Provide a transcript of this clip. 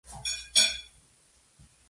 La columna es pubescente.